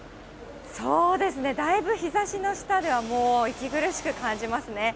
そうですね、だいぶ日ざしの下では、もう息苦しく感じますね。